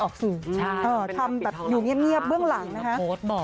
ทำแบบอยู่เงียบเบื้องหลังนะคะ